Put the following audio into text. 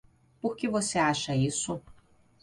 Por que você acha isso?